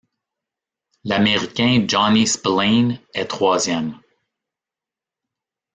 L'Américain Johnny Spillane est troisième.